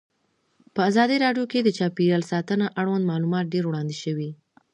په ازادي راډیو کې د چاپیریال ساتنه اړوند معلومات ډېر وړاندې شوي.